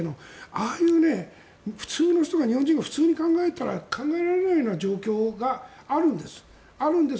ああいう、普通の人が日本人が普通に考えたら考えられないような状況があるんです。